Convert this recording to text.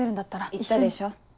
言ったでしょ